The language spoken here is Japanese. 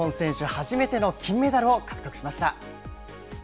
初めての金メダルを獲得しました。